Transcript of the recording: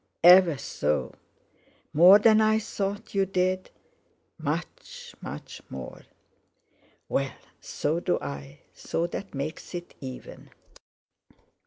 "Ever so!" "More than I thought you did?" "Much—much more." "Well, so do I; so that makes it even."